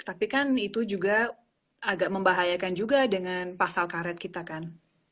tapi kan itu juga agak membahayakan juga dengan pasal karet kita kan